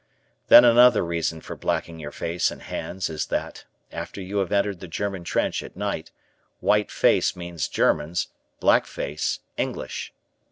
Then another reason for blacking your face and hands is that, after you have entered the German trench at night, "white face" means Germans, "black face" English.